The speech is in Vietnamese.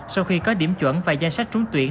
sau khi có điểm chuẩn và danh sách trúng tuyển